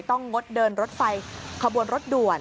งดเดินรถไฟขบวนรถด่วน